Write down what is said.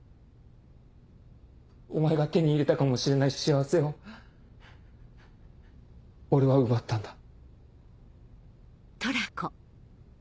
お前が手に入れたかもしれない幸せを俺は奪ったんだ。